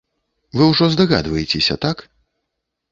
Вы ўжо здагадваецеся, так?